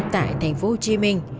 tại thành phố hồ chí minh